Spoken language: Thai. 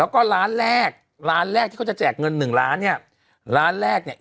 แล้วก็ร้านแรกร้านแรกที่เขาจะแจกเงินหนึ่งล้านเนี่ยร้านแรกเนี่ย